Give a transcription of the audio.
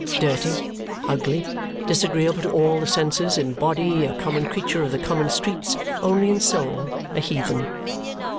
Dirty, ugly, disagreeable to all the senses, in body a common creature of the common streets, only in soul a heathen.